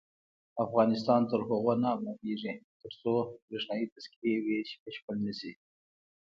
افغانستان تر هغو نه ابادیږي، ترڅو بریښنايي تذکرې ویش بشپړ نشي.